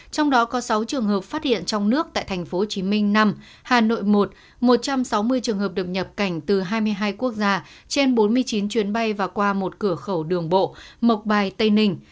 trong đó có sáu trường hợp phát hiện trong nước tại tp hcm năm hà nội một một trăm sáu mươi trường hợp được nhập cảnh từ hai mươi hai quốc gia trên bốn mươi chín chuyến bay và qua một cửa khẩu đường bộ mộc bài tây ninh